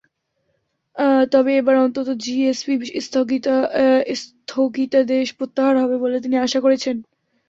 তবে এবার অন্তত জিএসপি স্থগিতাদেশ প্রত্যাহার হবে বলে তিনি আশা করছেন।